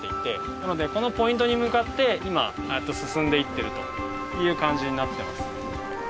なのでこのポイントに向かって今進んでいってるという感じになってます。